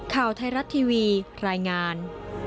ข่าวไทยรัฐทีวีรายงาน